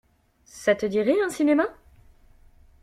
ça te dirait un cinéma?